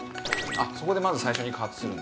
そこでまず最初に加圧するんだ。